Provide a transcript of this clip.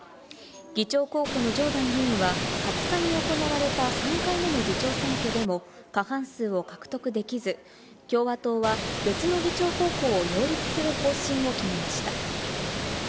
議長候補のジョーダン議員は２０日に行われた３回目の議長選挙でも過半数を獲得できず、共和党は別の議長候補を擁立する方針を決めました。